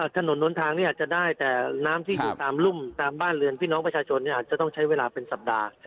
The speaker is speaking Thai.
ถนนล้นทางเนี่ยอาจจะได้แต่น้ำที่อยู่ตามรุ่มตามบ้านเรือนพี่น้องประชาชนอาจจะต้องใช้เวลาเป็นสัปดาห์